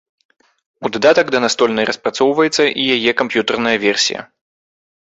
У дадатак да настольнай распрацоўваецца і яе камп'ютарная версія.